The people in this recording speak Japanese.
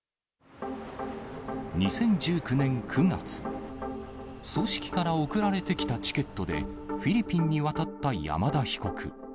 ２０１９年９月、組織から送られてきたチケットでフィリピンに渡った山田被告。